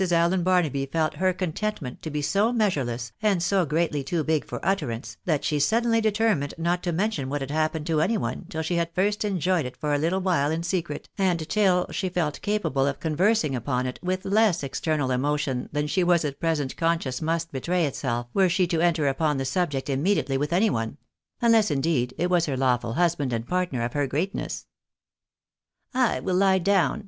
147 Allen Barnaby felt her contentment to be so measureless, and so greatly too big for utterance, that she suddenly determined not to mention what had happened to any one till she had first enjoyed it for a little while in secret, and till she felt capable of conversing upon it with less external emotion than she was at present con scious must betray itself were she to enter upon the subject im mediately with any one — unless, indeed, it were her lawful husband and partner of her greatness. " I will lie down